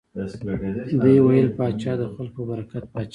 دوی ویل پاچا د خلکو په برکت پاچا دی.